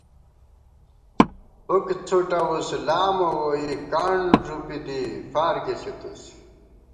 فُک څھُٹوُس لامہ ووئی کانڈ ݫُوپی دی فارکی ݪِتُس